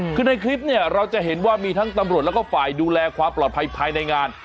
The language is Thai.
คือในคลิปเนี่ยเราจะเห็นว่ามีทั้งตำรวจแล้วก็ฝ่ายดูแลความปลอดภัยภายในงาน